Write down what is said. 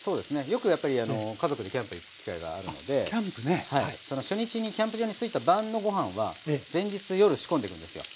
よくやっぱり家族でキャンプへ行く機会があるのでその初日にキャンプ場に着いた晩のご飯は前日夜仕込んでいくんですよ。